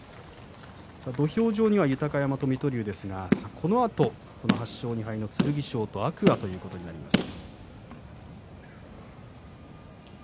土俵上には豊山と水戸龍ですがこのあと８勝２敗の剣翔と天空海ということになります。